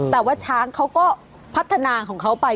แต่ว่าช้างเขาก็พัฒนาของเขาไป